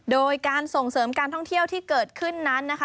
โดยการส่งเสริมการท่องเที่ยวที่เกิดขึ้นนั้นนะคะ